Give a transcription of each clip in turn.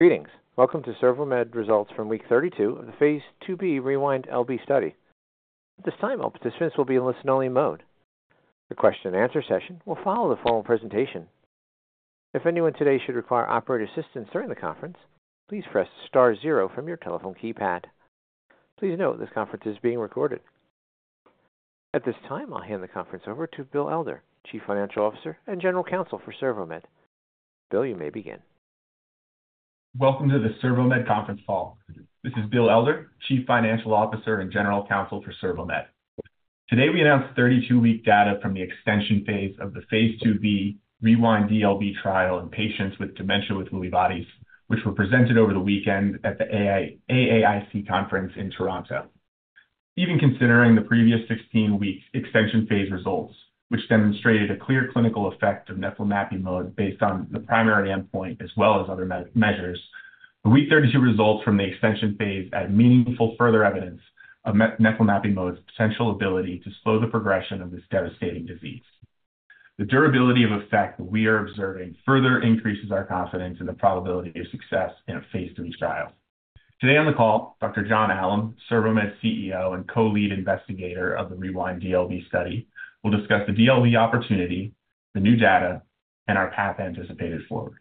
Greetings. Welcome to CervoMed results from week 32 of phase IIb RewinD-LB study. At this time, all participants will be in listen-only mode. The question and answer session will follow the formal presentation. If anyone today should require operator assistance during the conference, please press star zero from your telephone keypad. Please note this conference is being recorded. At this time, I'll hand the conference over to Bill Elder, Chief Financial Officer and General Counsel for CervoMed. Bill, you may begin. Welcome to the CervoMed conference call. This is Bill Elder, Chief Financial Officer and General Counsel for CervoMed. Today we announce 32-week data from the extension phase of phase IIb RewinD-LB trial in patients with dementia with Lewy bodies, which were presented over the weekend at the AAIC conference in Toronto. Even considering the previous 16-week extension phase results, which demonstrated a clear clinical effect of neflamapimod based on the primary endpoint as well as other measures, the week 32 results from the extension phase add meaningful further evidence of neflamapimod's potential ability to slow the progression of this devastating disease. The durability of effect that we are observing further increases our confidence in the probability of success in a phase III trial. Today on the call, Dr. John Alam, CervoMed CEO and co-lead investigator of the RewinD-LB study, will discuss the DLB opportunity, the new data, and our path anticipated forward.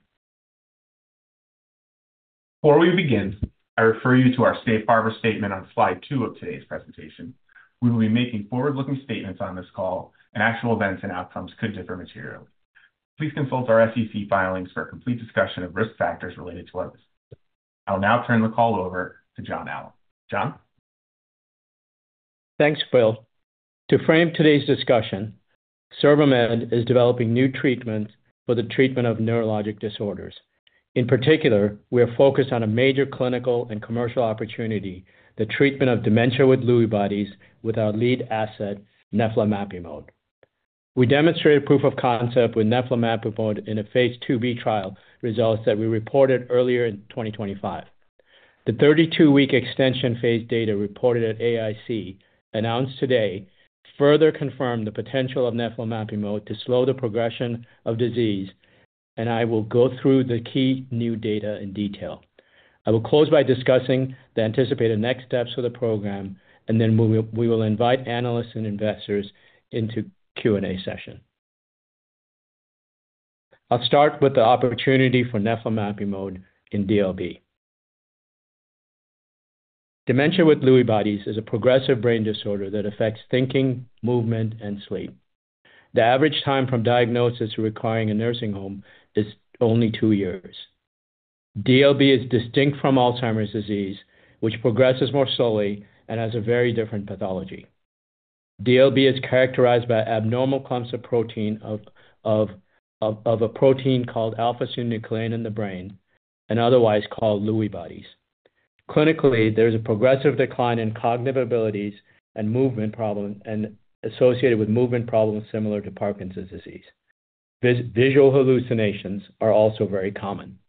Before we begin, I refer you to our Safe Harbor statement on slide 2 of today's presentation. We will be making forward-looking statements on this call, and actual events and outcomes could differ materially. Please consult our SEC filings for a complete discussion of risk factors related to others. I will now turn the call over to John Alam. John? Thanks, Bill. To frame today's discussion, CervoMed is developing new treatments for the treatment of neurologic disorders. In particular, we are focused on a major clinical and commercial opportunity, the treatment of dementia with Lewy bodies with our lead asset, neflamapimod. We demonstrated proof of concept with neflamapimod in phase IIb trial results that we reported earlier in 2025. The 32-week extension phase data reported at AAIC announced today further confirmed the potential of neflamapimod to slow the progression of disease, and I will go through the key new data in detail. I will close by discussing the anticipated next steps for the program, and then we will invite analysts and investors into Q&A session. I'll start with the opportunity for neflamapimod in DLB. Dementia with Lewy bodies is a progressive brain disorder that affects thinking, movement, and sleep. The average time from diagnosis to requiring a nursing home is only two years. DLB is distinct from Alzheimer's disease, which progresses more slowly and has a very different pathology. DLB is characterized by abnormal clumps of protein of a protein called alpha-synuclein in the brain and otherwise called Lewy bodies. Clinically, there is a progressive decline in cognitive abilities and movement problems associated with movement problems similar to Parkinson's disease. Visual hallucinations are also very common.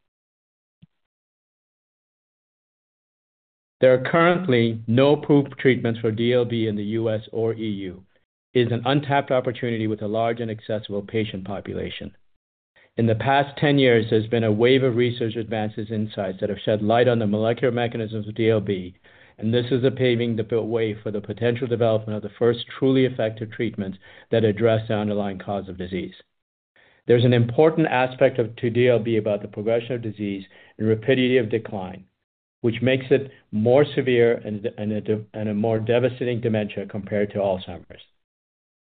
There are currently no approved treatments for DLB in the U.S. or EU. It is an untapped opportunity with a large and accessible patient population. In the past 10 years, there's been a wave of research advances and insights that have shed light on the molecular mechanisms of DLB, and this is a paving way for the potential development of the first truly effective treatments that address the underlying cause of disease. There's an important aspect to DLB about the progression of disease and rapidity of decline, which makes it more severe and a more devastating dementia compared to Alzheimer's.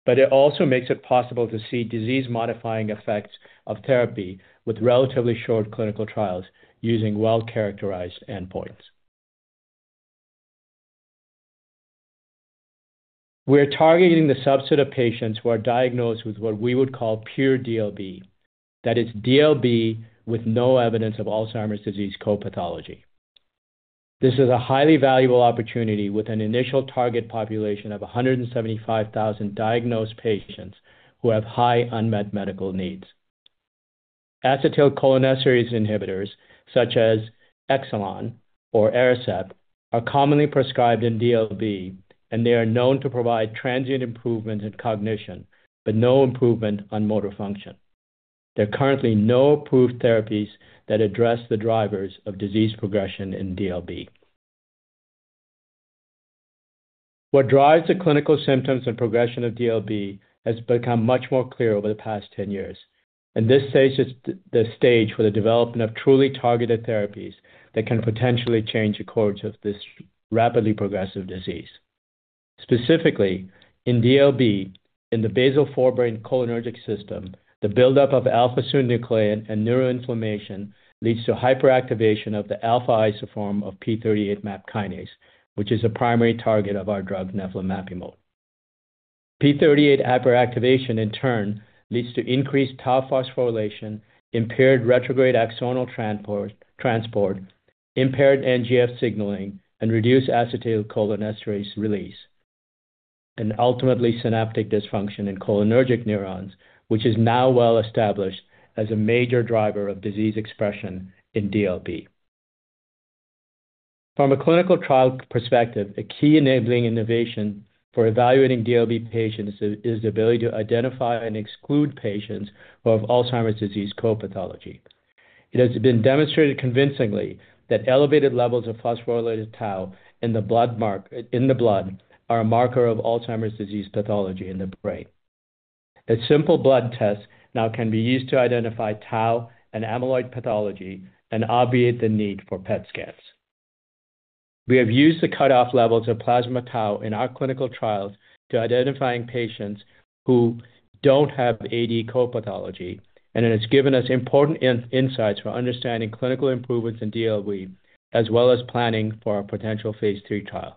It also makes it possible to see disease-modifying effects of therapy with relatively short clinical trials using well-characterized endpoints. We are targeting the subset of patients who are diagnosed with what we would call pure DLB, that is DLB with no evidence of Alzheimer's disease co-pathology. This is a highly valuable opportunity with an initial target population of 175,000 diagnosed patients who have high unmet medical needs. Acetylcholinesterase inhibitors, such as Exelon or Aricept, are commonly prescribed in DLB, and they are known to provide transient improvements in cognition, but no improvement on motor function. There are currently no approved therapies that address the drivers of disease progression in DLB. What drives the clinical symptoms and progression of DLB has become much more clear over the past 10 years, and this sets the stage for the development of truly targeted therapies that can potentially change the course of this rapidly progressive disease. Specifically, in DLB, in the basal forebrain cholinergic system, the buildup of alpha-synuclein and neuroinflammation leads to hyperactivation of the alpha isoform of p38 MAP kinase, which is a primary target of our drug neflamapimod. P38 hyperactivation, in turn, leads to increased tau phosphorylation, impaired retrograde axonal transport, impaired NGF signaling, and reduced acetylcholinesterase release, and ultimately synaptic dysfunction in cholinergic neurons, which is now well established as a major driver of disease expression in DLB. From a clinical trial perspective, a key enabling innovation for evaluating DLB patients is the ability to identify and exclude patients who have Alzheimer's disease co-pathology. It has been demonstrated convincingly that elevated levels of phosphorylated tau in the blood marker in the blood are a marker of Alzheimer's disease pathology in the brain. A simple blood test now can be used to identify tau and amyloid pathology and obviate the need for PET scans. We have used the cutoff levels of plasma tau in our clinical trials to identify patients who don't have AD co-pathology, and it has given us important insights for understanding clinical improvements in DLB as well as planning for a potential phase III trial.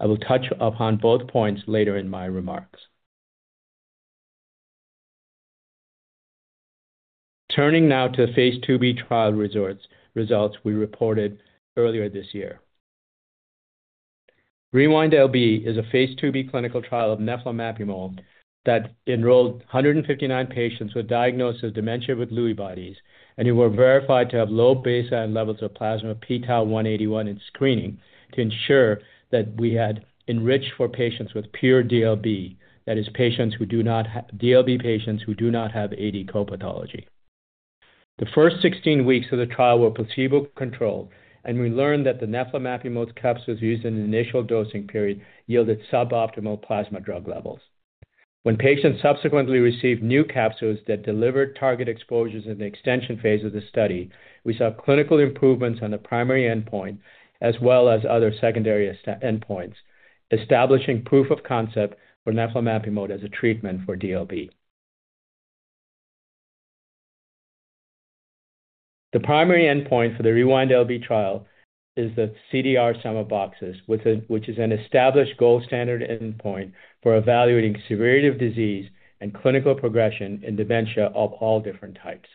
I will touch upon both points later in my remarks. Turning now to phase IIb trial results we reported earlier this year. RewinD-LB is phase IIb clinical trial of neflamapimod that enrolled 159 patients with a diagnosis of dementia with Lewy bodies, and who were verified to have low baseline levels of plasma pTau-181 in screening to ensure that we had enriched for patients with pure DLB, that is DLB patients who do not have AD co-pathology. The first 16 weeks of the trial were placebo control, and we learned that the neflamapimod capsules used in the initial dosing period yielded suboptimal plasma drug levels. When patients subsequently received new capsules that delivered target exposures in the extension phase of the study, we saw clinical improvements on the primary endpoint as well as other secondary endpoints, establishing proof of concept for neflamapimod as a treatment for DLB. The primary endpoint for the RewinD-LB trial is the CDR Sum of Boxes, which is an established gold standard endpoint for evaluating severity of disease and clinical progression in dementia of all different types.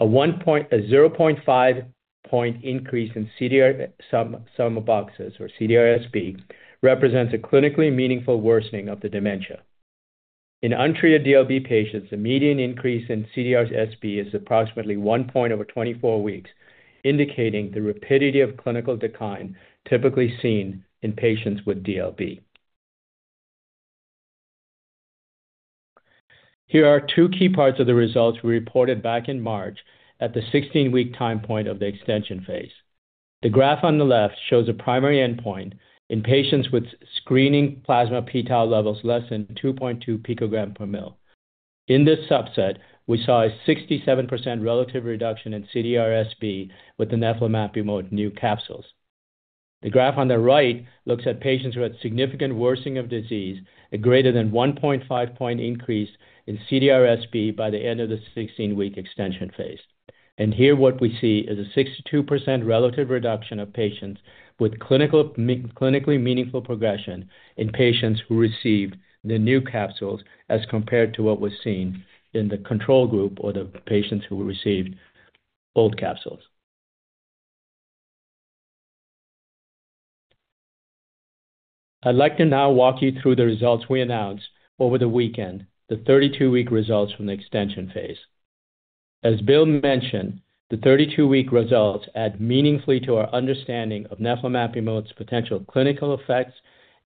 A 0.5 point increase in CDR Sum of Boxes, or CDR-SB, represents a clinically meaningful worsening of the dementia. In untreated DLB patients, the median increase in CDR-SB is approximately 1 point over 24 weeks, indicating the rapidity of clinical decline typically seen in patients with DLB. Here are two key parts of the results we reported back in March at the 16-week time point of the extension phase. The graph on the left shows a primary endpoint in patients with screening plasma pTau levels less than 2.2 pg/mL. In this subset, we saw a 67% relative reduction in CDR-SB with the neflamapimod new capsules. The graph on the right looks at patients who had significant worsening of disease, a greater than 1.5 point increase in CDR-SB by the end of the 16-week extension phase. Here, what we see is a 62% relative reduction of patients with clinically meaningful progression in patients who received the new capsules as compared to what was seen in the control group or the patients who received old capsules. I'd like to now walk you through the results we announced over the weekend, the 32-week results from the extension phase. As Bill mentioned, the 32-week results add meaningfully to our understanding of neflamapimod's potential clinical effects,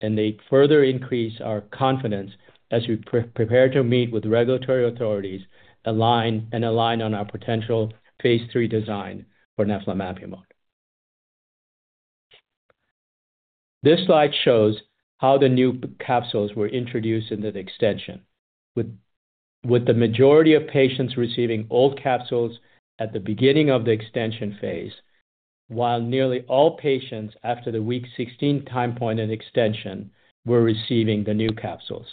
and they further increase our confidence as we prepare to meet with regulatory authorities and align on our potential phase III design for neflamapimod. This slide shows how the new capsules were introduced into the extension, with the majority of patients receiving old capsules at the beginning of the extension phase, while nearly all patients after the week 16 time point in extension were receiving the new capsules.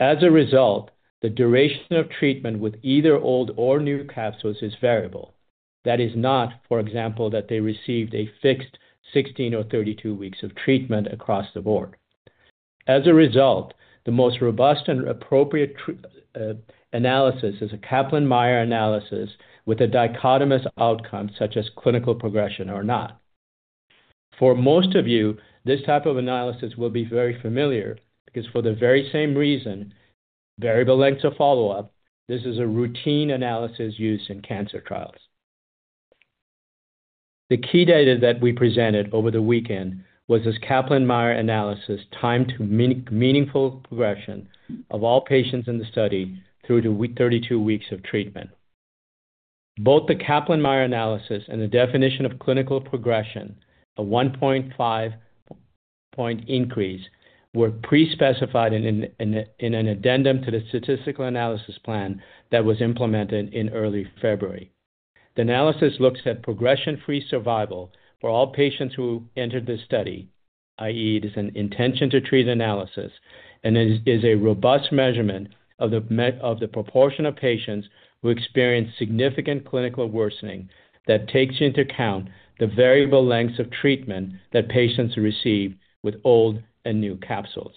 As a result, the duration of treatment with either old or new capsules is variable. That is not, for example, that they received a fixed 16 weeks or 32 weeks of treatment across the board. As a result, the most robust and appropriate analysis is a Kaplan-Meier analysis with a dichotomous outcome, such as clinical progression or not. For most of you, this type of analysis will be very familiar because, for the very same reason, variable lengths of follow-up, this is a routine analysis used in cancer trials. The key data that we presented over the weekend was this Kaplan-Meier analysis timed to meaningful progression of all patients in the study through the 32 weeks of treatment. Both the Kaplan-Meier analysis and the definition of clinical progression, a 1.5 point increase, were pre-specified in an addendum to the statistical analysis plan that was implemented in early February. The analysis looks at progression-free survival for all patients who entered the study, i.e., it is an intention-to-treat analysis, and it is a robust measurement of the proportion of patients who experience significant clinical worsening that takes into account the variable lengths of treatment that patients receive with old and new capsules.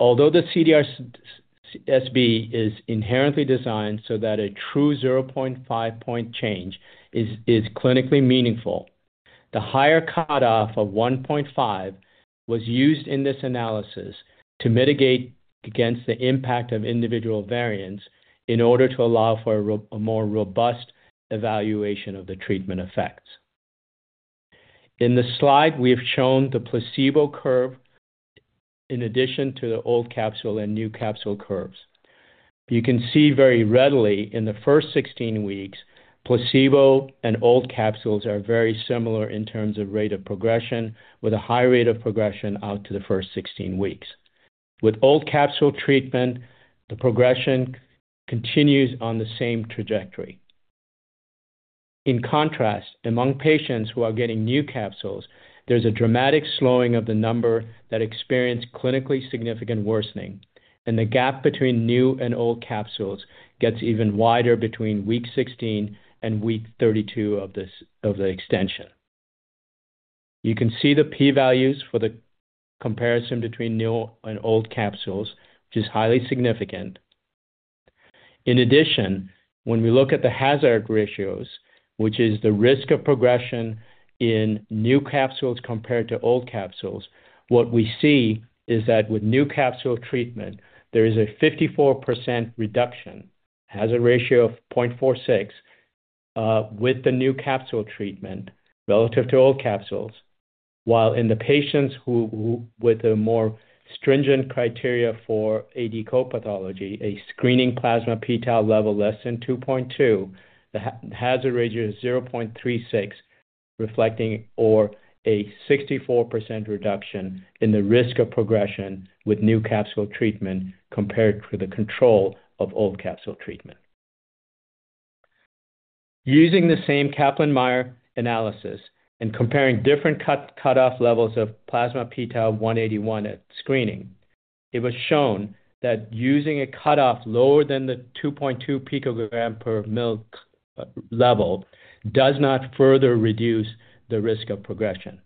Although the CDR-SB is inherently designed so that a true 0.5 point change is clinically meaningful, the higher cutoff of 1.5 was used in this analysis to mitigate against the impact of individual variants in order to allow for a more robust evaluation of the treatment effects. In the slide, we have shown the placebo curve in addition to the old capsule and new capsule curves. You can see very readily in the first 16 weeks, placebo and old capsules are very similar in terms of rate of progression, with a high rate of progression out to the first 16 weeks. With old capsule treatment, the progression continues on the same trajectory. In contrast, among patients who are getting new capsules, there's a dramatic slowing of the number that experience clinically significant worsening, and the gap between new and old capsules gets even wider between week 16 and week 32 of the extension. You can see the p-values for the comparison between new and old capsules, which is highly significant. In addition, when we look at the hazard ratios, which is the risk of progression in new capsules compared to old capsules, what we see is that with new capsule treatment, there is a 54% reduction, a hazard ratio of 0.46 with the new capsule treatment relative to old capsules, while in the patients with the more stringent criteria for AD co-pathology, a screening plasma pTau level less than 2.2, the hazard ratio is 0.36, reflecting a 64% reduction in the risk of progression with new capsule treatment compared to the control of old capsule treatment. Using the same Kaplan-Meier analysis and comparing different cutoff levels of plasma pTau-181 at screening, it was shown that using a cutoff lower than the 2.2 pg/mL level does not further reduce the risk of progression.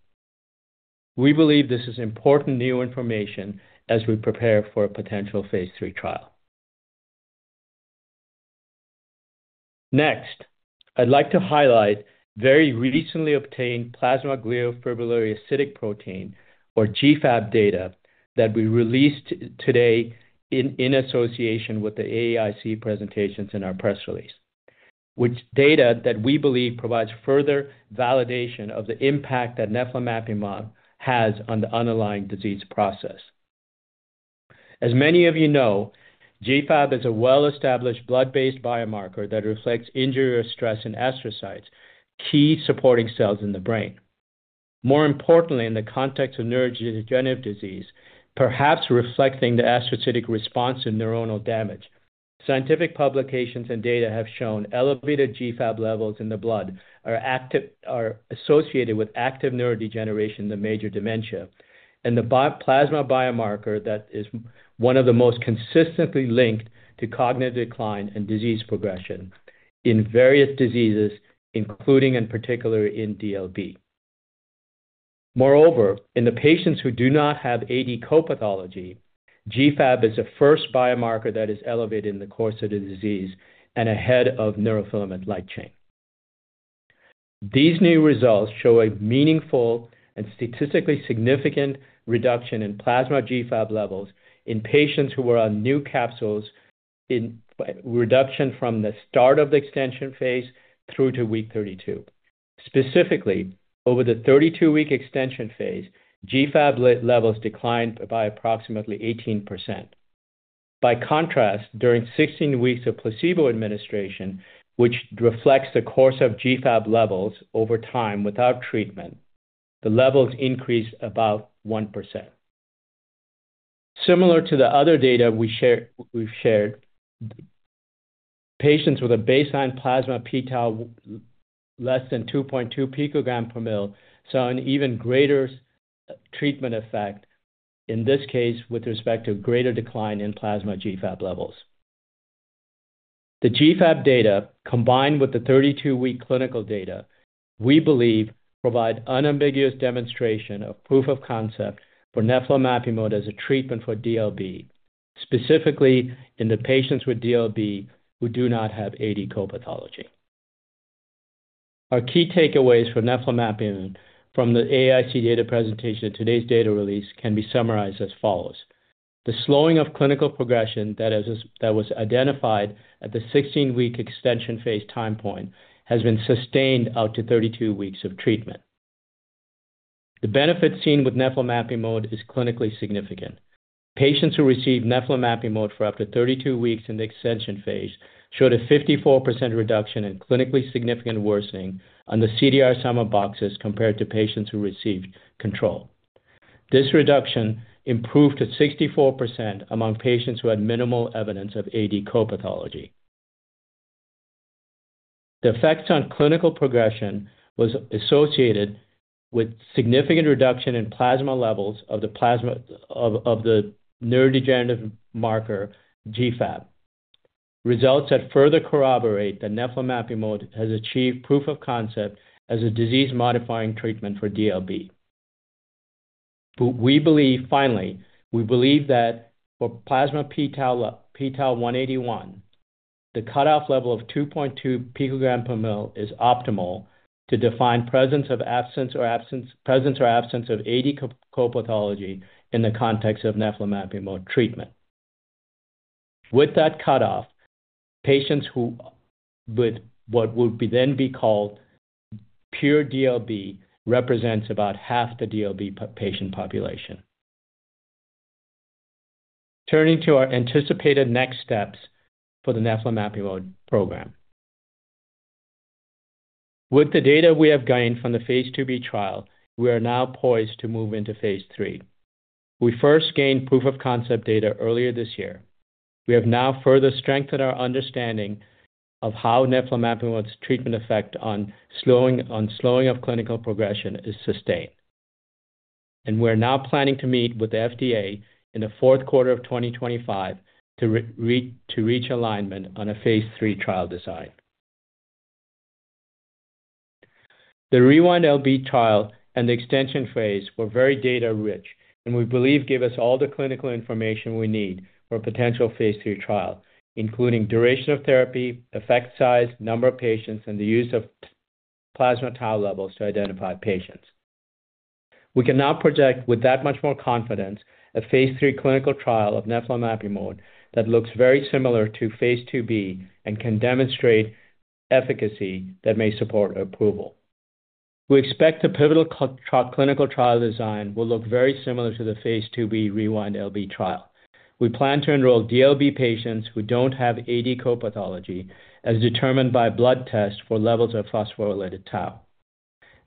We believe this is important new information as we prepare for a potential phase III trial. Next, I'd like to highlight very recently obtained plasma glial fibrillary acidic protein, or GFAP, data that we released today in association with the AAIC presentations in our press release, which data that we believe provides further validation of the impact that neflamapimod has on the underlying disease process. As many of you know, GFAP is a well-established blood-based biomarker that reflects injury or stress in astrocytes, key supporting cells in the brain. More importantly, in the context of neurodegenerative disease, perhaps reflecting the astrocytic response to neuronal damage, scientific publications and data have shown elevated GFAP levels in the blood are associated with active neurodegeneration in the major dementia, and the plasma biomarker that is one of the most consistently linked to cognitive decline and disease progression in various diseases, including and particularly in DLB. Moreover, in the patients who do not have AD co-pathology, GFAP is the first biomarker that is elevated in the course of the disease and ahead of neurofilament light chain. These new results show a meaningful and statistically significant reduction in plasma GFAP levels in patients who were on new capsules in reduction from the start of the extension phase through to week 32. Specifically, over the 32-week extension phase, GFAP levels declined by approximately 18%. By contrast, during 16 weeks of placebo administration, which reflects the course of GFAP levels over time without treatment, the levels increased about 1%. Similar to the other data we've shared, patients with a baseline plasma pTau less than 2.2 pg/mL saw an even greater treatment effect, in this case with respect to greater decline in plasma GFAP levels. The GFAP data, combined with the 32-week clinical data, we believe provide unambiguous demonstration of proof of concept for neflamapimod as a treatment for DLB, specifically in the patients with DLB who do not have AD co-pathology. Our key takeaways for neflamapimod from the AAIC data presentation of today's data release can be summarized as follows. The slowing of clinical progression that was identified at the 16-week extension phase time point has been sustained out to 32 weeks of treatment. The benefit seen with neflamapimod is clinically significant. Patients who received neflamapimod for up to 32 weeks in the extension phase showed a 54% reduction in clinically significant worsening on the CDR Sum of Boxes compared to patients who received control. This reduction improved to 64% among patients who had minimal evidence of AD co-pathology. The effect on clinical progression was associated with a significant reduction in plasma levels of the neurodegenerative marker GFAP. Results that further corroborate that neflamapimod has achieved proof of concept as a disease-modifying treatment for DLB. Finally, we believe that for plasma pTau-181, the cutoff level of 2.2 pg/mL is optimal to define the presence or absence of AD co-pathology in the context of neflamapimod treatment. With that cutoff, patients with what would then be called pure DLB represent about half the DLB patient population. Turning to our anticipated next steps for the neflamapimod program. With the data we have gained from phase IIb trial, we are now poised to move into phase III. We first gained proof of concept data earlier this year. We have now further strengthened our understanding of how neflamapimod's treatment effect on slowing of clinical progression is sustained. We are now planning to meet with the FDA in the fourth quarter of 2025 to reach alignment on a phase III trial design. The RewinD-LB trial and the extension phase were very data-rich, and we believe give us all the clinical information we need for a potential phase III trial, including duration of therapy, effect size, number of patients, and the use of plasma Tau levels to identify patients. We can now project with that much more confidence a phase III clinical trial of neflamapimod that looks very similar phase IIb and can demonstrate efficacy that may support approval. We expect the pivotal clinical trial design will look very similar to phase IIb RewinD-LB trial. We plan to enroll DLB patients who don't have AD co-pathology, as determined by blood tests for levels of phosphorylated Tau.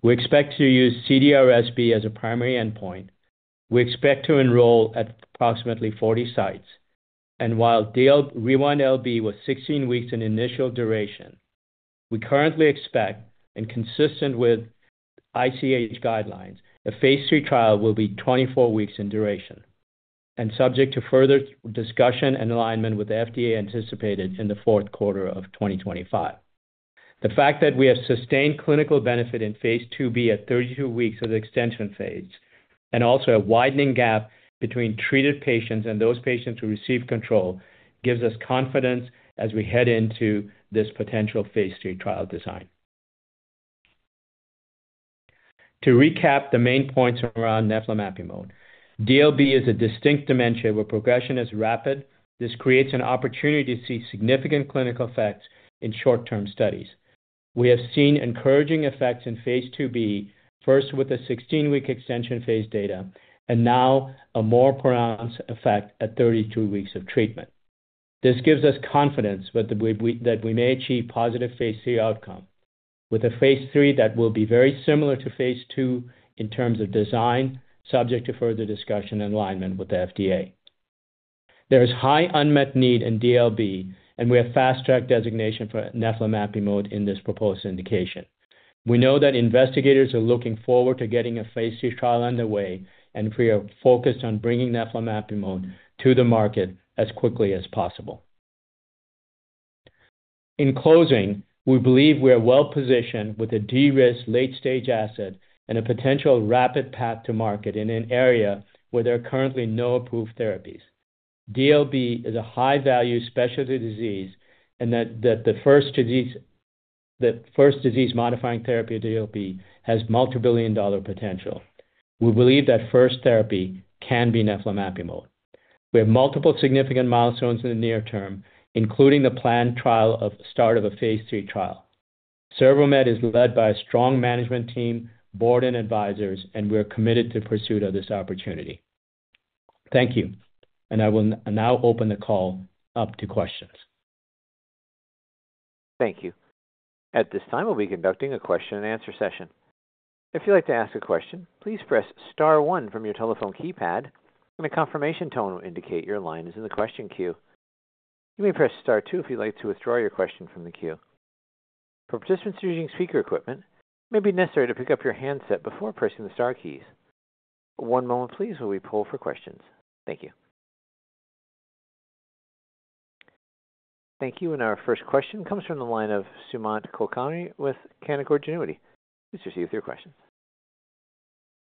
We expect to use CDR-SB as a primary endpoint. We expect to enroll at approximately 40 sites. While RewinD-LB was 16 weeks in initial duration, we currently expect, and consistent with ICH guidelines, a phase III trial will be 24 weeks in duration and subject to further discussion and alignment with the FDA anticipated in the fourth quarter of 2025. The fact that we have sustained clinical benefit phase IIb at 32 weeks of the extension phase and also a widening gap between treated patients and those patients who received control gives us confidence as we head into this potential phase III trial design. To recap the main points around neflamapimod, DLB is a distinct dementia where progression is rapid. This creates an opportunity to see significant clinical effects in short-term studies. We have seen encouraging effects phase IIb, first with the 16-week extension phase data, and now a more pronounced effect at 32 weeks of treatment. This gives us confidence that we may achieve positive phase III outcome, with a phase III that will be very similar to phase II in terms of design, subject to further discussion and alignment with the FDA. There is a high unmet need in DLB, and we have fast-tracked designation for neflamapimod in this proposed indication. We know that investigators are looking forward to getting a phase III trial underway, and we are focused on bringing neflamapimod to the market as quickly as possible. In closing, we believe we are well positioned with a de-risk late-stage asset and a potential rapid path to market in an area where there are currently no approved therapies. DLB is a high-value specialty disease, and that the first disease-modifying therapy of DLB has multibillion-dollar potential. We believe that first therapy can be neflamapimod. We have multiple significant milestones in the near term, including the planned trial of the start of a phase III trial. CervoMed is led by a strong management team, board, and advisors, and we are committed to the pursuit of this opportunity. Thank you. I will now open the call up to questions. Thank you. At this time, we'll be conducting a question and answer session. If you'd like to ask a question, please press star one from your telephone keypad, and a confirmation tone will indicate your line is in the question queue. You may press star two if you'd like to withdraw your question from the queue. For participants using speaker equipment, it may be necessary to pick up your handset before pressing the star keys. One moment, please, while we poll for questions. Thank you. Our first question comes from the line of Sumant Kulkarni with Canaccord Genuity. Please proceed with your questions.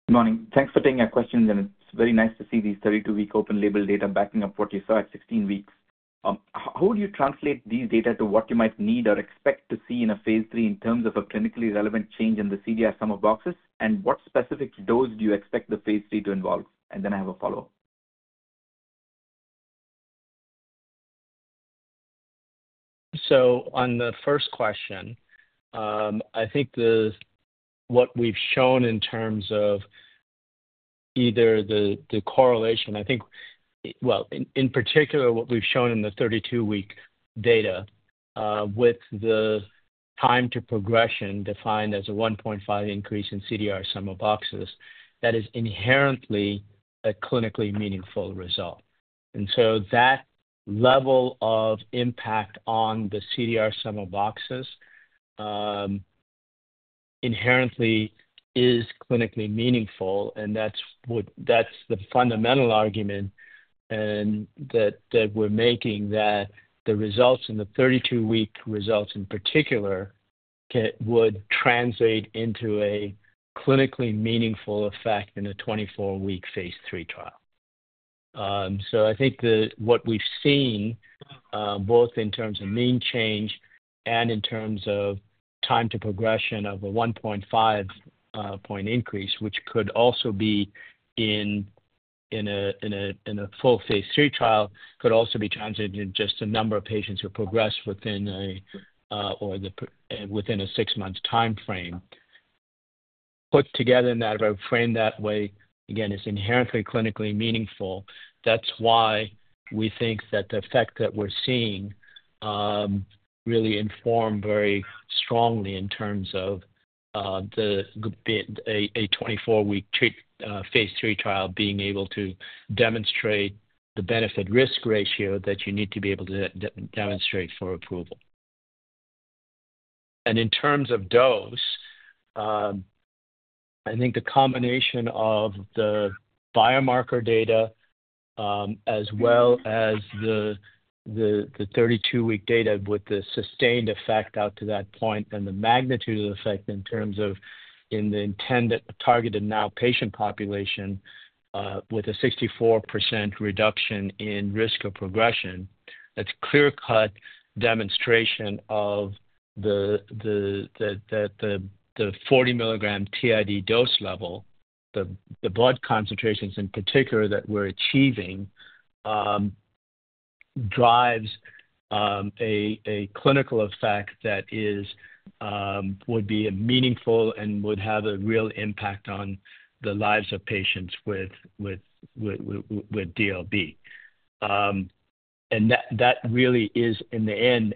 Good morning. Thanks for taking our questions, and it's very nice to see these 32-week open-label data backing up what you saw at 16 weeks. How would you translate these data to what you might need or expect to see in a phase III in terms of a clinically relevant change in the CDR Sum of Boxes, and what specific dose do you expect the phase III to involve? I have a follow-up. On the first question, I think what we've shown in terms of either the correlation, in particular, what we've shown in the 32-week data with the time to progression defined as a 1.5 increase in CDR Sum of Boxes, that is inherently a clinically meaningful result. That level of impact on the CDR Sum of Boxes inherently is clinically meaningful, and that's the fundamental argument that we're making that the results in the 32-week results in particular would translate into a clinically meaningful effect in a 24-week phase III trial. I think what we've seen, both in terms of mean change and in terms of time to progression of a 1.5 point increase, which could also be in a full phase III trial, could also be translated into just the number of patients who progressed within a six-month time frame. Put together in that way, again, is inherently clinically meaningful. That's why we think that the effect that we're seeing really informs very strongly in terms of a 24-week phase III trial being able to demonstrate the benefit-risk ratio that you need to be able to demonstrate for approval. In terms of dose, I think the combination of the biomarker data, as well as the 32-week data with the sustained effect out to that point and the magnitude of the effect in terms of in the intended targeted now patient population with a 64% reduction in risk of progression, that's a clear-cut demonstration of the 40 mg TID dose level, the blood concentrations in particular that we're achieving, drives a clinical effect that would be meaningful and would have a real impact on the lives of patients with DLB. That really is, in the end,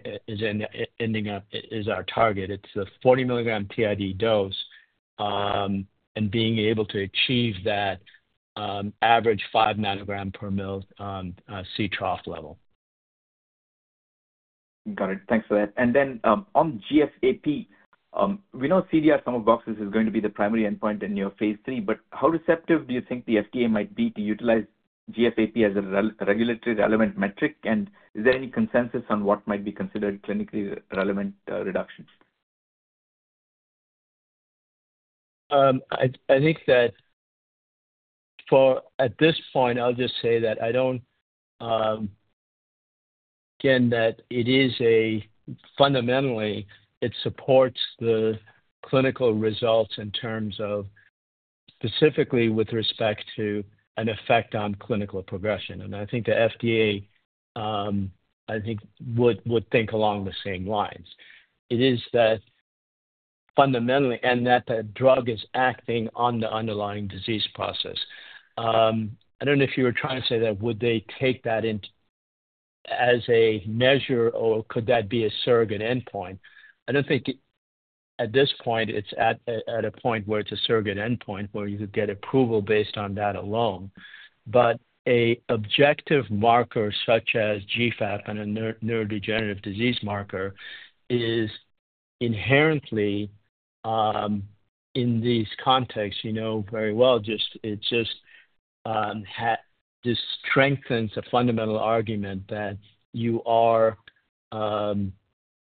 ending up as our target. It's the 40 mg TID dose and being able to achieve that average 5 ng per mill C trough level. Got it. Thanks for that. On GFAP, we know CDR Sum of Boxes is going to be the primary endpoint in your phase III, but how receptive do you think the FDA might be to utilize GFAP as a regulatory relevant metric, and is there any consensus on what might be considered clinically relevant reductions? I think that at this point, I'll just say that I don't, again, that it is fundamentally, it supports the clinical results in terms of specifically with respect to an effect on clinical progression. I think the FDA, I think, would think along the same lines. It is that fundamentally, and that the drug is acting on the underlying disease process. I don't know if you were trying to say that would they take that as a measure or could that be a surrogate endpoint. I don't think at this point it's at a point where it's a surrogate endpoint where you could get approval based on that alone. An objective marker such as GFAP and a neurodegenerative disease marker is inherently in these contexts, you know very well, just strengthens the fundamental argument that you are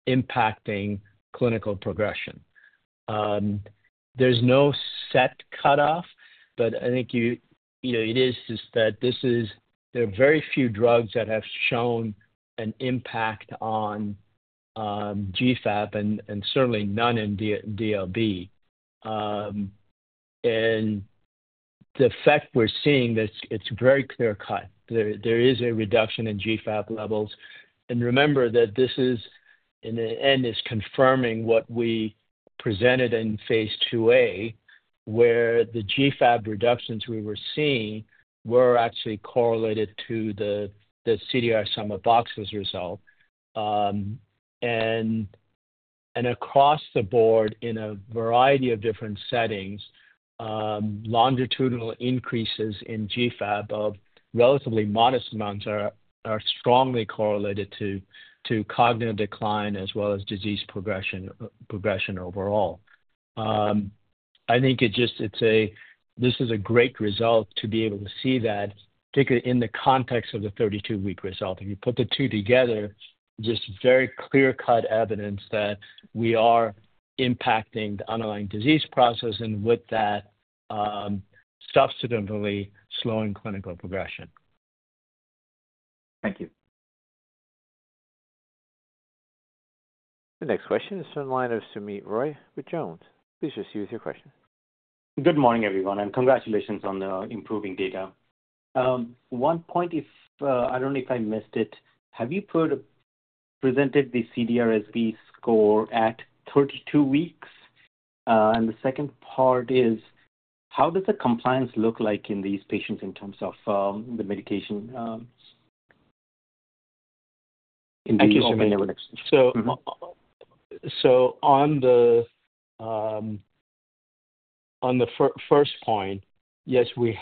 impacting clinical progression. There's no set cutoff, but I think it is just that this is, there are very few drugs that have shown an impact on GFAP and certainly none in DLB. The effect we're seeing, it's very clear-cut. There is a reduction in GFAP levels. Remember that this is, in the end, confirming what we presented in phase IIa, where the GFAP reductions we were seeing were actually correlated to the CDR Sum of Boxes result. Across the board, in a variety of different settings, longitudinal increases in GFAP of relatively modest amounts are strongly correlated to cognitive decline as well as disease progression overall. I think it just, it's a, this is a great result to be able to see that, particularly in the context of the 32-week result. If you put the two together, just very clear-cut evidence that we are impacting the underlying disease process and with that, substantively slowing clinical progression. Thank you. The next question is from the line of Soumit Roy with Jones. Please proceed with your question. Good morning, everyone, and congratulations on the improving data. One point, I don't know if I missed it, have you presented the CDR-SB score at 32 weeks? The second part is, how does the compliance look like in these patients in terms of the medication? On the first point, yes, we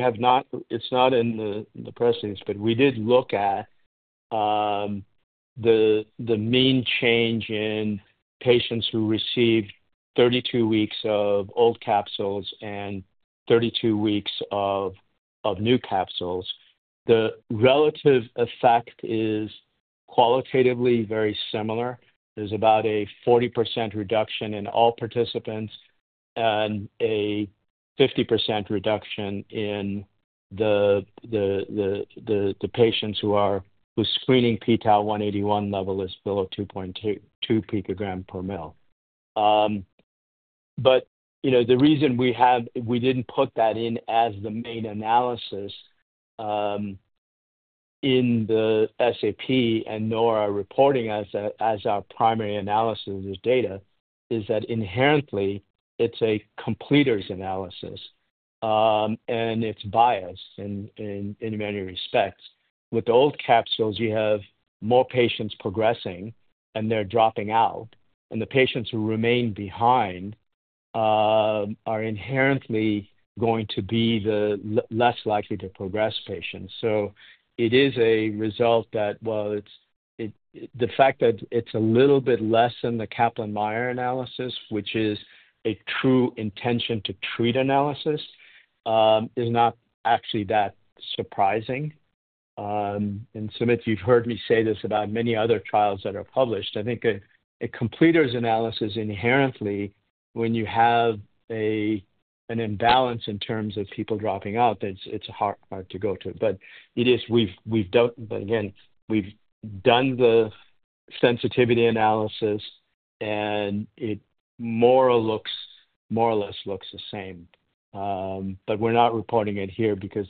have not, it's not in the press release, but we did look at the mean change in patients who receive 32 weeks of old capsules and 32 weeks of new capsules. The relative effect is qualitatively very similar. There's about a 40% reduction in all participants and a 50% reduction in the patients whose screening pTau-181 level is below 2.2 pg/mL. The reason we didn't put that in as the main analysis in the SAP and NORA reporting as our primary analysis of this data is that inherently, it's a completer's analysis, and it's biased in many respects. With the old capsules, you have more patients progressing, and they're dropping out. The patients who remain behind are inherently going to be the less likely to progress patients. It is a result that, as it's a little bit less than the Kaplan-Meier analysis, which is a true intention-to-treat analysis, is not actually that surprising. Soumit, you've heard me say this about many other trials that are published. I think a completer's analysis inherently, when you have an imbalance in terms of people dropping out, it's a hard part to go to. We've done the sensitivity analysis, and it more or less looks the same. We're not reporting it here because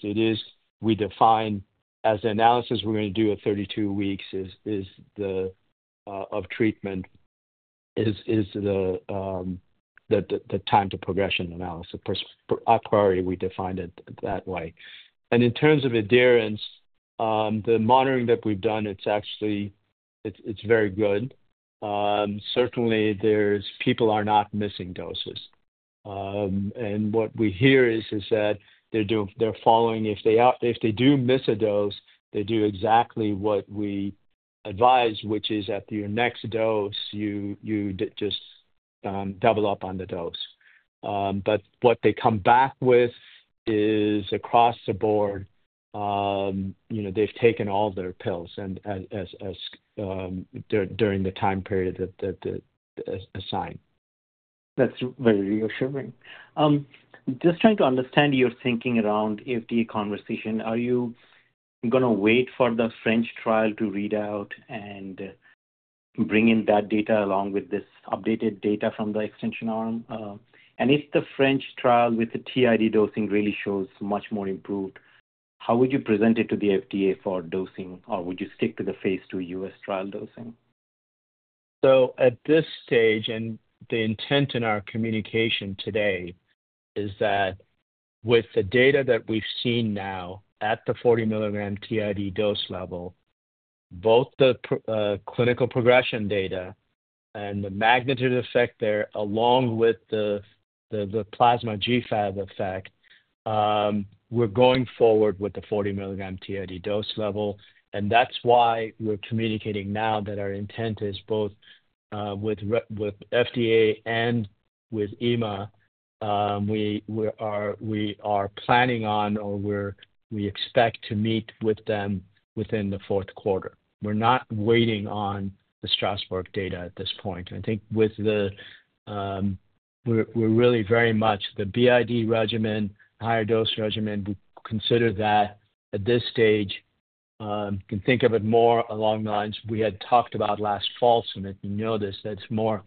we define as the analysis we're going to do at 32 weeks of treatment is the time to progression analysis. A priority, we define it that way. In terms of adherence, the monitoring that we've done, it's actually very good. Certainly, people are not missing doses. What we hear is that they're following, if they do miss a dose, they do exactly what we advise, which is at your next dose, you just double up on the dose. What they come back with is across the board, they've taken all their pills during the time period that they're assigned. That's very reassuring. Just trying to understand your thinking around the FDA conversation, are you going to wait for the French trial to read out and bring in that data along with this updated data from the extension arm? If the French trial with the TID dosing really shows much more improved, how would you present it to the FDA for dosing, or would you stick to the phase II U.S. trial dosing? At this stage, the intent in our communication today is that with the data that we've seen now at the 40 mg TID dose level, both the clinical progression data and the magnitude effect there, along with the plasma GFAP effect, we're going forward with the 40 mg TID dose level. That's why we're communicating now that our intent is both with FDA and with EMA. We are planning on, or we expect to meet with them within the fourth quarter. We're not waiting on the Strasbourg data at this point. We're really very much the BID regimen, higher dose regimen. We consider that at this stage, you can think of it more along the lines we had talked about last fall, Soumit. You know this, that's more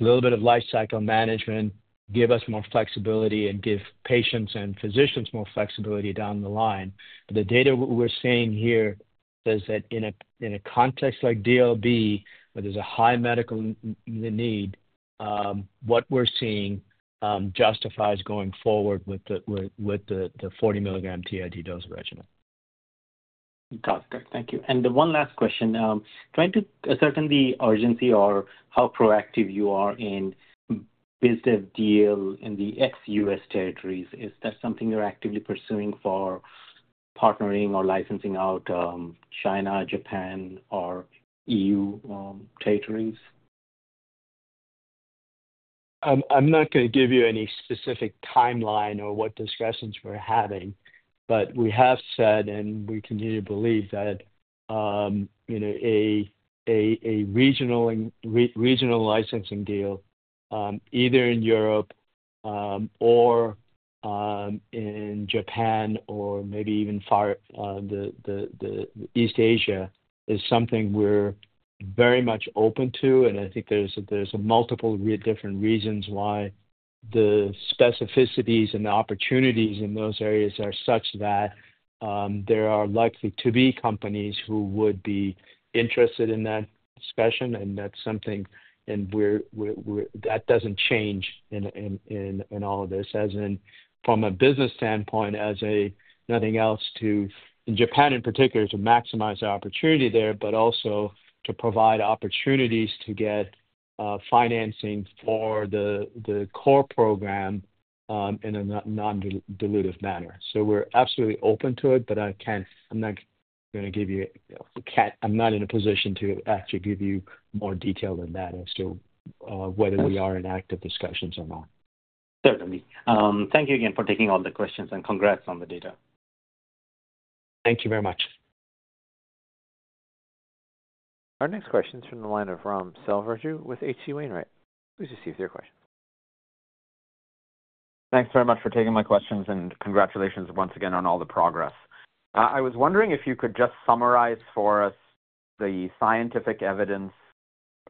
a little bit of lifecycle management, give us more flexibility and give patients and physicians more flexibility down the line. The data, what we're seeing here, says that in a context like DLB, where there's a high medical need, what we're seeing justifies going forward with the 40 mg TID dose regimen. Thank you. One last question, trying to assess the urgency or how proactive you are in business deals in the ex-U.S. territories, is that something you're actively pursuing for partnering or licensing out China, Japan, or EU territories? I'm not going to give you any specific timeline or what discussions we're having, but we have said, and we continue to believe that a regional licensing deal, either in Europe or in Japan or maybe even farther East Asia, is something we're very much open to. I think there's multiple different reasons why the specificities and the opportunities in those areas are such that there are likely to be companies who would be interested in that discussion, and that's something that doesn't change in all of this, as in from a business standpoint, if nothing else, in Japan in particular, to maximize our opportunity there, but also to provide opportunities to get financing for the core program in a non-dilutive manner. We're absolutely open to it, but I can't, I'm not going to give you, I'm not in a position to actually give you more detail than that as to whether we are in active discussions or not. Certainly. Thank you again for taking all the questions, and congrats on the data. Thank you very much. Our next question is from the line of Raghuram Selvaraju with H.C. Wainwright. Please proceed with your question. Thanks very much for taking my questions, and congratulations once again on all the progress. I was wondering if you could just summarize for us the scientific evidence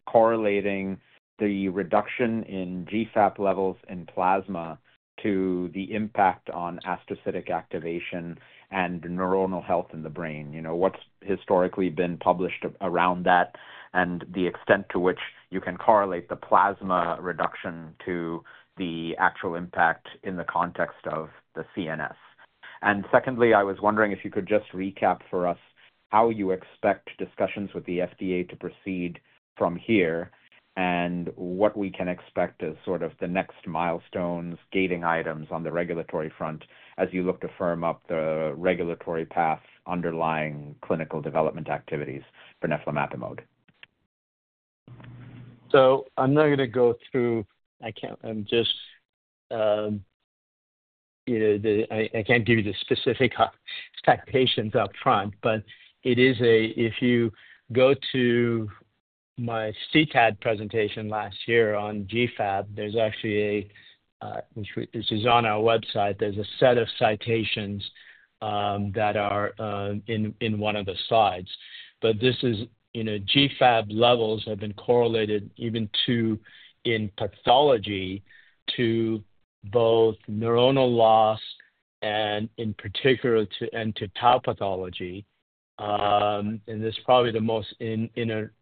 correlating the reduction in GFAP levels in plasma to the impact on astrocytic activation and neuronal health in the brain. You know what's historically been published around that and the extent to which you can correlate the plasma reduction to the actual impact in the context of the CNS. Secondly, I was wondering if you could just recap for us how you expect discussions with the FDA to proceed from here and what we can expect as sort of the next milestones, gating items on the regulatory front as you look to firm up the regulatory path underlying clinical development activities for neflamapimod. I'm not going to go through, I can't, I just, you know I can't give you the specific citations up front, but if you go to my CTAD presentation last year on GFAP, which is on our website, there's a set of citations that are in one of the slides. GFAP levels have been correlated even in pathology to both neuronal loss and in particular to tau pathology. This is probably the most, in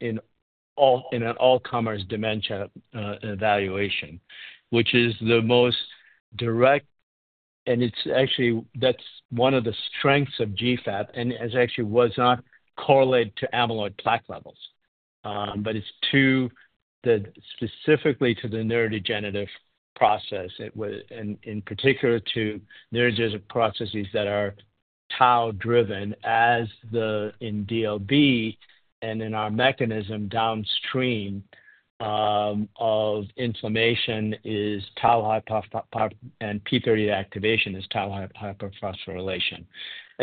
an all-comers dementia evaluation, which is the most direct, and that's one of the strengths of GFAP. It actually was not correlated to amyloid plaque levels. It's specifically to the neurodegenerative process, and in particular to neurodegenerative processes that are Tau-driven, as in DLB and in our mechanism downstream of inflammation is tau and pPA activation is tau hyperphosphorylation.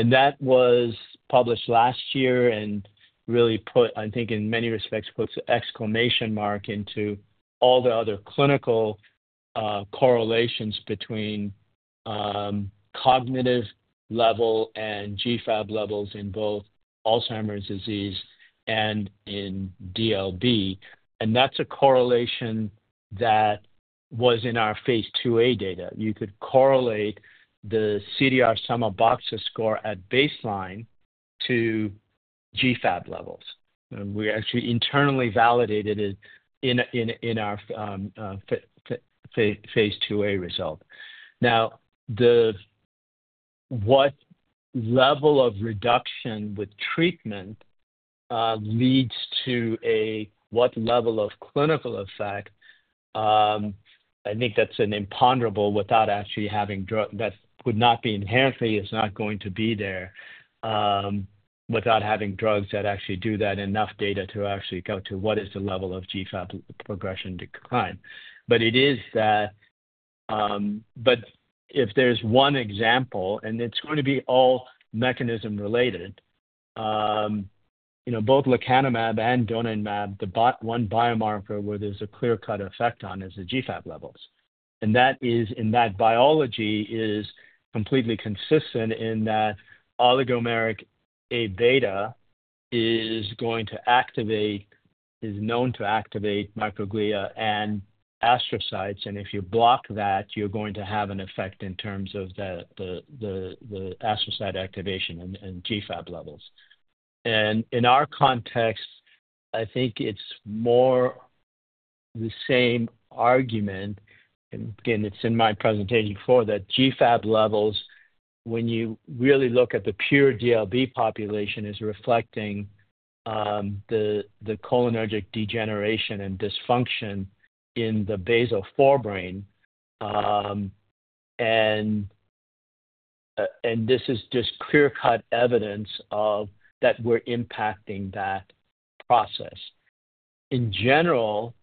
That was published last year and really put, I think, in many respects, puts an exclamation mark into all the other clinical correlations between cognitive level and GFAP levels in both Alzheimer's disease and in DLB. That's a correlation that was in our phase IIa data. You could correlate the CDR Sum of Boxes score at baseline to GFAP levels. We actually internally validated it in our phase IIa result. Now, what level of reduction with treatment leads to what level of clinical effect? I think that's an imponderable without actually having drugs. That would not be inherently. It's not going to be there without having drugs that actually do that, enough data to actually go to what is the level of GFAP progression decline. If there's one example, and it's going to be all mechanism-related, both lecanemab and donanemab, the one biomarker where there's a clear-cut effect on is the GFAP levels. That biology is completely consistent in that oligomeric A-beta is going to activate, is known to activate microglia and astrocytes. If you block that, you're going to have an effect in terms of the astrocyte activation and GFAP levels. In our context, I think it's more the same argument, and again, it's in my presentation before, that GFAP levels, when you really look at the pure DLB population, is reflecting the cholinergic degeneration and dysfunction in the basal forebrain. This is just clear-cut evidence that we're impacting that process. In general,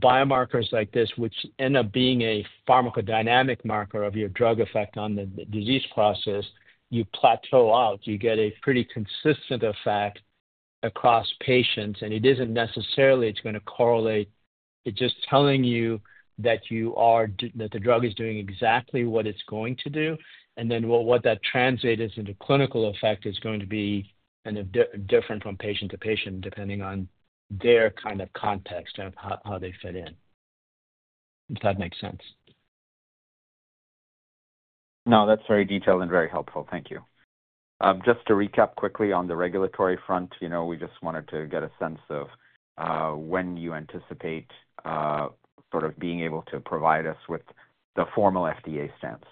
biomarkers like this, which end up being a pharmacodynamic marker of your drug effect on the disease process, you plateau out. You get a pretty consistent effect across patients, and it isn't necessarily going to correlate. It's just telling you that the drug is doing exactly what it's going to do. What that translates into clinical effect is going to be kind of different from patient to patient, depending on their kind of context and how they fit in, if that makes sense. No, that's very detailed and very helpful. Thank you. Just to recap quickly on the regulatory front, we just wanted to get a sense of when you anticipate sort of being able to provide us with the formal FDA stance.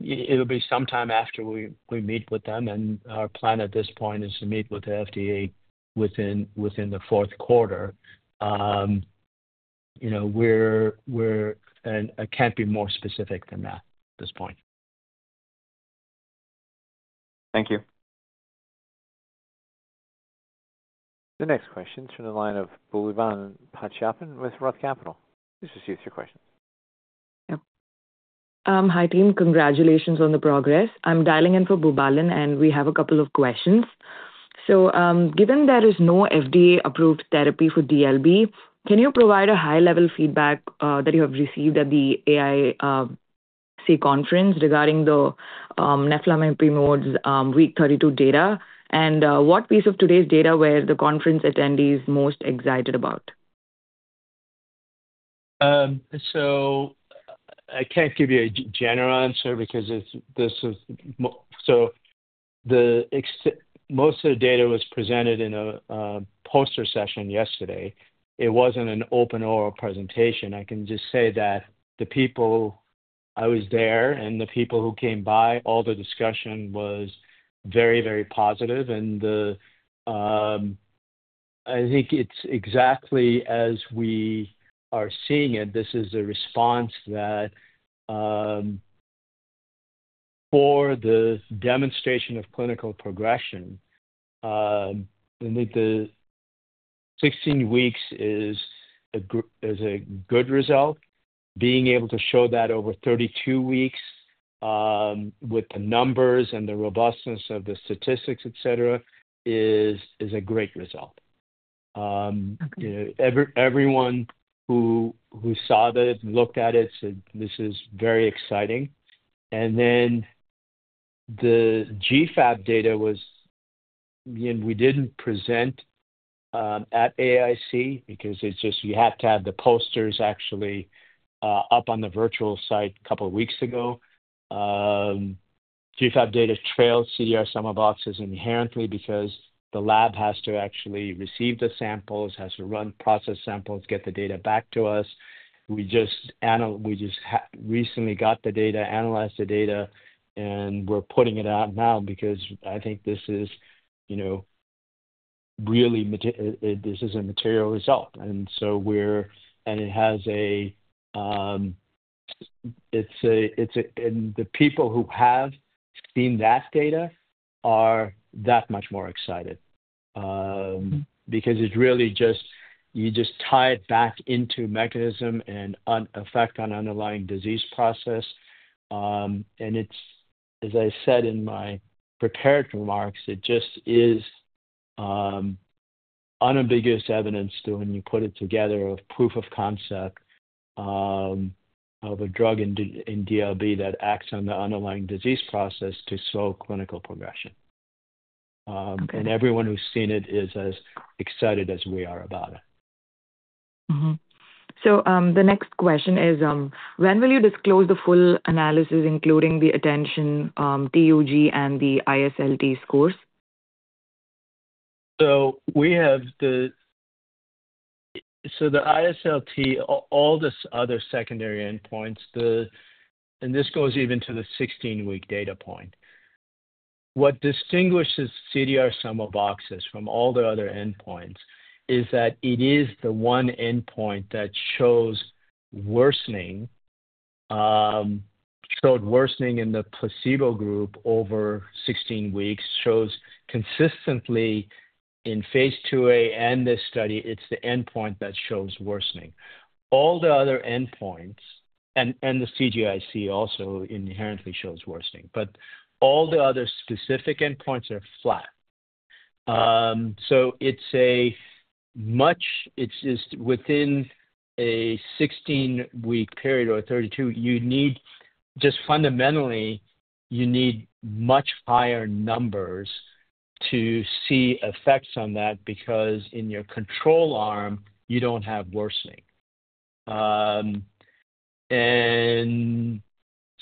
It'll be sometime after we meet with them, and our plan at this point is to meet with the FDA within the fourth quarter. We can't be more specific than that at this point. Thank you. The next question is from the line of Boobalan Pachaiyappan with Roth Capital. Please proceed with your questions. Hi, team. Congratulations on the progress. I'm dialing in for Boobalan, and we have a couple of questions. Given there is no FDA-approved therapy for DLB, can you provide a high-level feedback that you have received at the AAIC conference regarding the neflamapimod's week 32 data? What piece of today's data were the conference attendees most excited about? I can't give you a general answer because most of the data was presented in a poster session yesterday. It wasn't an open oral presentation. I can just say that I was there and the people who came by, all the discussion was very, very positive. I think it's exactly as we are seeing it. This is a response that for the demonstration of clinical progression, the 16 weeks is a good result. Being able to show that over 32 weeks with the numbers and the robustness of the statistics, etc., is a great result. Everyone who saw that looked at it said this is very exciting. The GFAP data was, and we didn't present at AAIC because you have to have the posters actually up on the virtual site a couple of weeks ago. GFAP data trails CDR Sum of Boxes inherently because the lab has to actually receive the samples, has to run process samples, get the data back to us. We just recently got the data, analyzed the data, and we're putting it out now because I think this is really, this is a material result. It has a, it's a, and the people who have seen that data are that much more excited because it's really just, you just tie it back into mechanism and effect on underlying disease process. As I said in my prepared remarks, it just is unambiguous evidence to when you put it together of proof of concept of a drug in DLB that acts on the underlying disease process to slow clinical progression. Everyone who's seen it is as excited as we are about it. When will you disclose the full analysis, including the attention TUG and the ISLT scores? We have the ISLT, all the other secondary endpoints, and this goes even to the 16-week data point. What distinguishes CDR Sum of Boxes from all the other endpoints is that it is the one endpoint that shows worsening, showed worsening in the placebo group over 16 weeks, shows consistently in phase IIa and this study, it's the endpoint that shows worsening. All the other endpoints, and the CGIC also inherently shows worsening, but all the other specific endpoints are flat. It's just within a 16-week period or 32, you need fundamentally, you need much higher numbers to see effects on that because in your control arm, you don't have worsening. In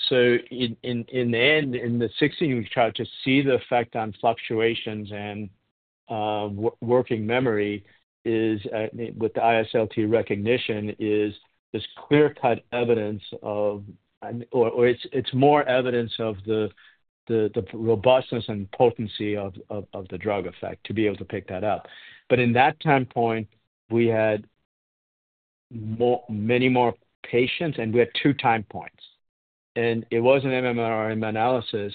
the end, in the 16-week trial to see the effect on fluctuations and working memory with the ISLT recognition, this is clear-cut evidence of, or it's more evidence of the robustness and potency of the drug effect to be able to pick that up. At that time point, we had many more patients, and we had two time points. It was an MMRM analysis,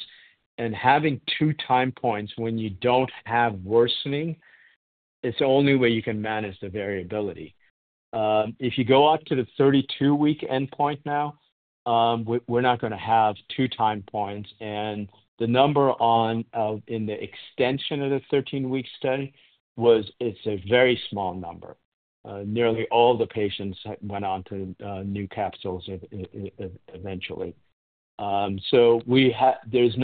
and having two time points when you don't have worsening, it's the only way you can manage the variability. If you go up to the 32-week endpoint now, we're not going to have two time points, and the number in the extension of the 13-week study was a very small number. Nearly all the patients went on to new capsules eventually. There's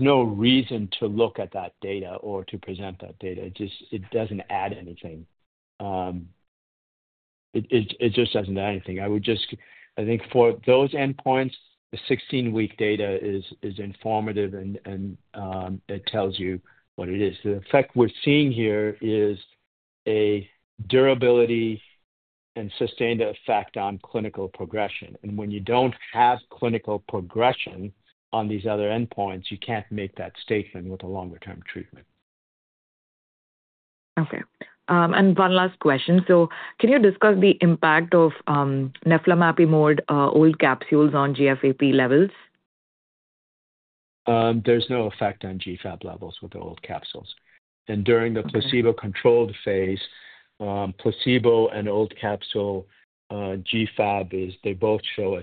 no reason to look at that data or to present that data. It doesn't add anything. I think for those endpoints, the 16-week data is informative, and it tells you what it is. The effect we're seeing here is a durability and sustained effect on clinical progression. When you don't have clinical progression on these other endpoints, you can't make that statement with a longer-term treatment. Okay. One last question. Can you discuss the impact of neflamapimod old capsules on GFAP levels? There's no effect on GFAP levels with the old capsules. During the placebo-controlled phase, placebo and old capsule GFAP both show a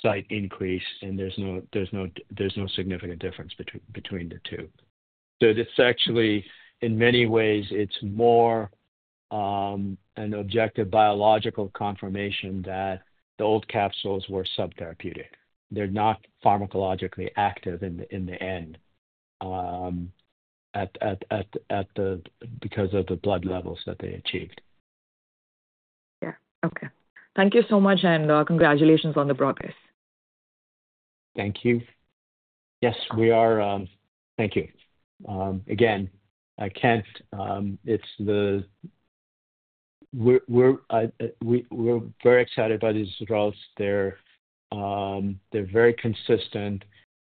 slight increase, and there's no significant difference between the two. This actually, in many ways, is more an objective biological confirmation that the old capsules were subtherapeutic. They're not pharmacologically active in the end because of the blood levels that they achieved. Thank you so much, and congratulations on the progress. Thank you. Yes, we are. Thank you. Again, I can't, it's the, we're very excited by these results. They're very consistent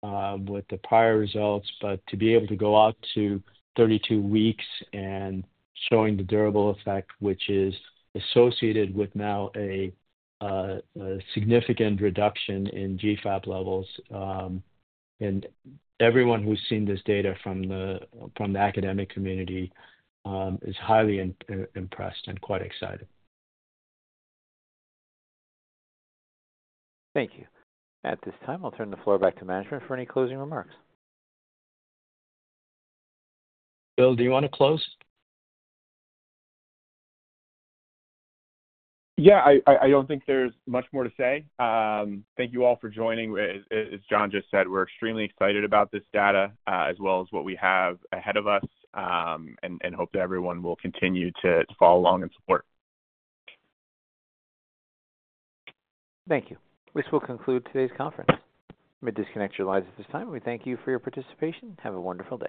with the prior results, but to be able to go out to 32 weeks and showing the durable effect, which is associated with now a significant reduction in GFAP levels, and everyone who's seen this data from the academic community is highly impressed and quite excited. Thank you. At this time, I'll turn the floor back to management for any closing remarks. Bill, do you want to close? Yeah, I don't think there's much more to say. Thank you all for joining. As John just said, we're extremely excited about this data, as well as what we have ahead of us, and hope that everyone will continue to follow along and support. Thank you. This will conclude today's conference. I'm going to disconnect your lines at this time. We thank you for your participation. Have a wonderful day.